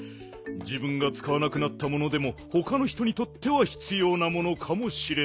じぶんがつかわなくなったものでもほかの人にとってはひつようなものかもしれないぞよ。